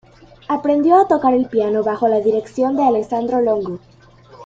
Aprendió a tocar el piano bajo la dirección de Alessandro Longo.